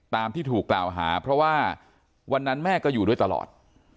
ที่ถูกกล่าวหาเพราะว่าวันนั้นแม่ก็อยู่ด้วยตลอด